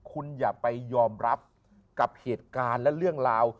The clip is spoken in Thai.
คุณอย่าไปยอมรับกับเหตุการณ์และเรื่องราว